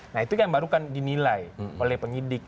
nah itu kan baru kan dinilai oleh penyidik